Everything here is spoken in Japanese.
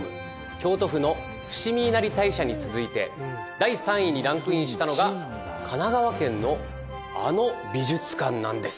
京都府の伏見稲荷大社に続いて第３位にランクインしたのが神奈川県のあの美術館なんです。